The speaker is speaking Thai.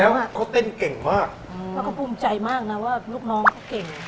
แล้วเขาเต้นเก่งมากแล้วเขาภูมิใจมากนะว่าลูกน้องเขาเก่ง